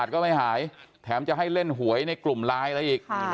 ก็ไม่หายแถมจะให้เล่นหวยในกลุ่มไลน์อะไรอีก